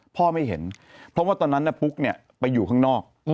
ไม่เห็นเพราะว่าตอนนั้นปุ๊กเนี่ยไปอยู่ข้างนอก